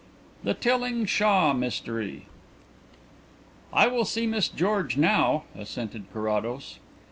THE TILLING SHAW MYSTERY "I will see Miss George now," assented Carrados.